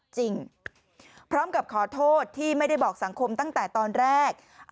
จริงพร้อมกับขอโทษที่ไม่ได้บอกสังคมตั้งแต่ตอนแรก